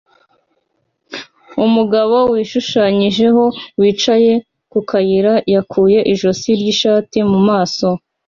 Umugabo wishushanyijeho wicaye ku kayira yakuye ijosi ry'ishati mu maso